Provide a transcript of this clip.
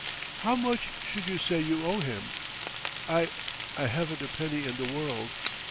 "How much should you say you owe him?" "I I haven't a penny in the world!"